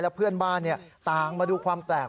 และเพื่อนบ้านเนี่ยตางมาดูความแปลก